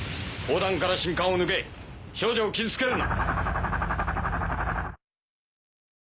砲弾から信管を抜け少女を傷つけるな。